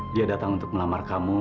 dia datang untuk melamar kamu